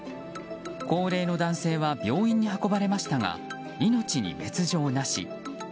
高齢の男性は病院に運ばれましたが命に別条なし。